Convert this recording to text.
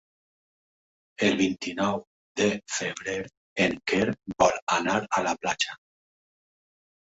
El vint-i-nou de febrer en Quer vol anar a la platja.